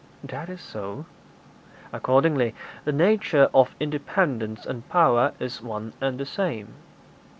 'That is so.' 'Accordingly, the nature of independence and power is one and the same.'